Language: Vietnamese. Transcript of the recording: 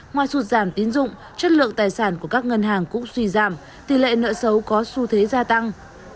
ngoài sụt giảm tín dụng chất lượng tài sản của các ngân hàng cũng suy giảm tỷ lệ nợ xấu có xu thế gia tăng